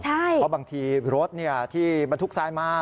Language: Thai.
เพราะบางทีรถที่มันทุกข์ซ้ายมา